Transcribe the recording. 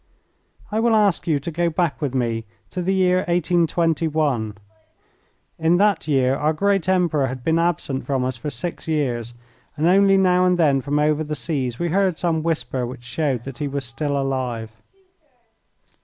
I will ask you to go back with me to the year 1821. In that year our great Emperor had been absent from us for six years, and only now and then from over the seas we heard some whisper which showed that he was still alive.